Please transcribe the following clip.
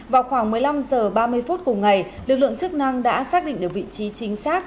vào khoảng một mươi năm h ba mươi phút cùng ngày lực lượng chức năng đã xác định được vị trí chính xác